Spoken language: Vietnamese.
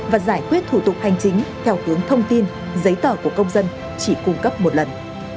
và giải quyết thủ tục hành chính theo hướng thông tin giấy tờ của công dân chỉ cung cấp một lần